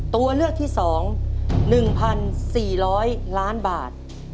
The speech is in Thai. ตัวเลือกที่๒๑๔๐๐ล้านบาท